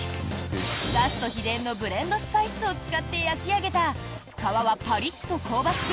ガスト秘伝のブレンドスパイスを使って焼き上げた皮はパリッと香ばしく